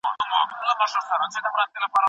مینه د خامو هلکانو کار دی